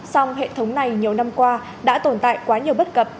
song hệ thống này nhiều năm qua đã tồn tại quá nhiều bất cập